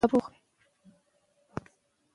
په اصفهان کې دولتي دفترونه د فساد مرکزونه وو.